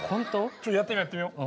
ちょっとやってみようやってみよう。